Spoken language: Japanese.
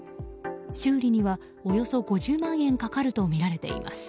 修理には、およそ５０万円かかるとみられています。